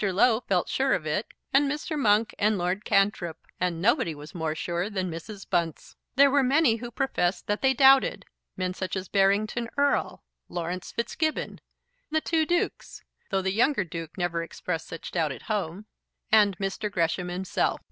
Low felt sure of it, and Mr. Monk and Lord Cantrip; and nobody was more sure than Mrs. Bunce. There were many who professed that they doubted; men such as Barrington Erle, Laurence Fitzgibbon, the two Dukes, though the younger Duke never expressed such doubt at home, and Mr. Gresham himself.